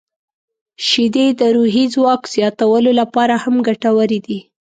• شیدې د روحي ځواک زیاتولو لپاره هم ګټورې دي.